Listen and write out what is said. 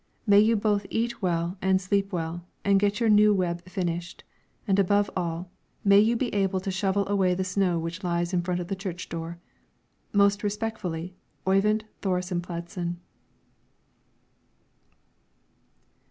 May you both eat well, and sleep well, and get your new web finished, and above all, may you be able to shovel away the snow which lies in front of the church door. Most respectfully, OYVIND THORESEN PLADSEN.